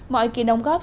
mọi kỳ đồng hành